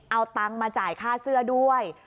เอาตังค์มาจ่ายค่าเสื้อด้วย